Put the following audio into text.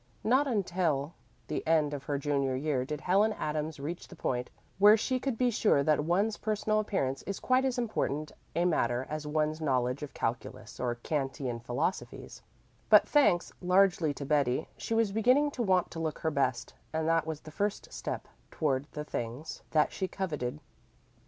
Not until the end of her junior year did Helen Adams reach the point where she could be sure that one's personal appearance is quite as important a matter as one's knowledge of calculus or Kantian philosophies; but, thanks largely to Betty, she was beginning to want to look her best, and that was the first step toward the things that she coveted.